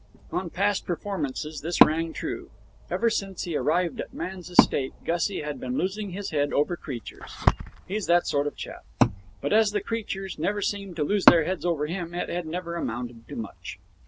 On past performances this rang true. Ever since he arrived at man's estate Gussie had been losing his head over creatures. He's that sort of chap. But, as the creatures never seemed to lose their heads over him, it had never amounted to much.